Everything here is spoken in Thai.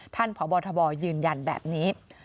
ท่านผอบทบยืนยันแบบนี้